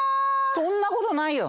そんなことないよ。